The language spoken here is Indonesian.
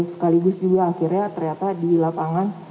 sekaligus juga akhirnya ternyata di lapangan